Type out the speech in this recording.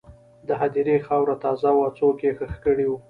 د هدیرې خاوره تازه وه، څوک یې ښخ کړي وو.